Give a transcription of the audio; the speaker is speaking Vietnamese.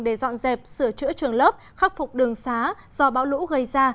để dọn dẹp sửa chữa trường lớp khắc phục đường xá do bão lũ gây ra